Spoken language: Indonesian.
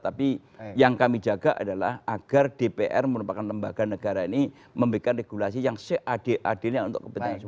tapi yang kami jaga adalah agar dpr merupakan lembaga negara ini memberikan regulasi yang seadil adilnya untuk kepentingan sosial